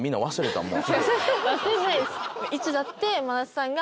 忘れてないです。